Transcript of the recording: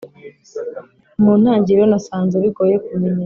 mu ntangiriro nasanze bigoye kumenyera.